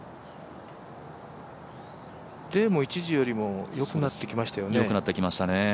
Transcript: デイも一時よりも良くなってきましたよね。